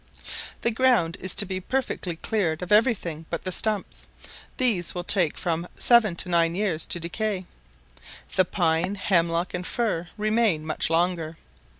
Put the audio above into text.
The ground is to be perfectly cleared of every thing but the stumps: these will take from seven to nine or ten years to decay; the pine, hemlock, and fir remain much longer.